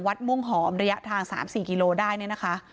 ม่วงหอมระยะทาง๓๔กิโลได้เนี่ยนะคะ